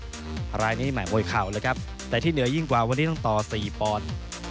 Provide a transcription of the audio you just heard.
รายนี้แห่มวยเข่าเลยครับแต่ที่เหนือยิ่งกว่าวันนี้ต้องต่อสี่ปอนด์